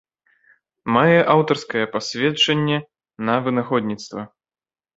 Мае аўтарскае пасведчанне на вынаходніцтва.